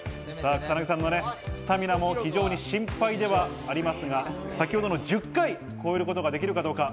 草薙さんのスタミナも非常に心配ではありますが、先ほどの１０回を超えることができるかどうか。